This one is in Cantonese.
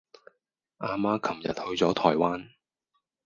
阿媽琴日去左台灣